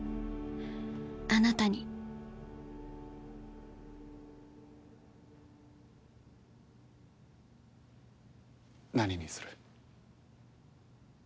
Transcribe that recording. あなたに何にする？